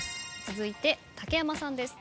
続いて竹山さんです。